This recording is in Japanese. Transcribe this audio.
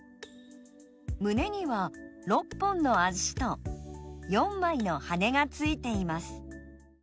胸には６本の足と４枚の羽が付いています。